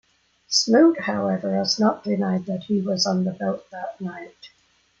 Smoot, however has not denied that he was on the boat that night.